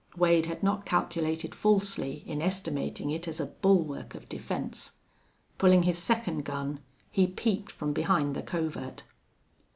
Wade had not calculated falsely in estimating it as a bulwark of defense. Pulling his second gun, he peeped from behind the covert.